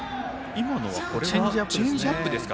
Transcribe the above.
今のはチェンジアップですか。